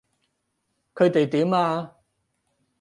佢哋點啊？